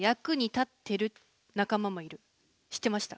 知ってました？